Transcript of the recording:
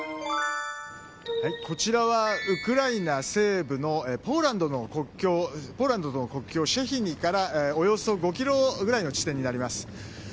こちらはウクライナ西部のポーランドの国境シェヒニからおよそ５ｋｍくらいの地点になります。